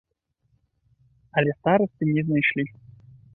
Але старасты не знайшлі.